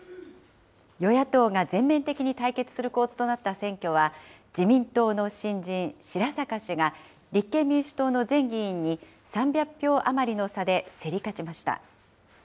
与野党が全面的に対決する構図となった選挙は、自民党の新人、白坂氏が、立憲民主党の前議員に３００票余りの差で競り勝ちました。